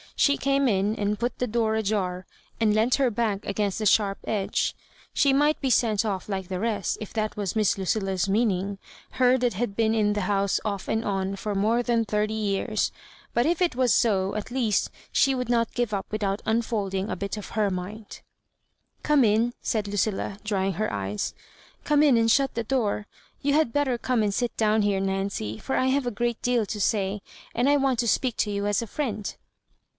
She came in, and put the door ajar, and leant her back against the sharp edge. She might be sent off like the rest, if that was Miss Lucilla^s meaning — her that had been in the house off and on for more than thirty years ; but if it was so, at least she would not give up without unfolding a bit of her mind. "Oome in, said Lucilla, drying her eyes —" come in and shut the door ; you had better come and sit down here, Nancy, for I have a great deal to say, and I want lo speak to you as a friend."